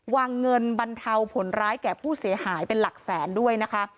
วางเงินบรรเทาผลร้ายแก่ผู้เสียหายเป็นหลักแสนด้วยนะคะ